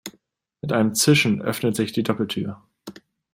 Mit einem Zischen öffnet sich die Doppeltür.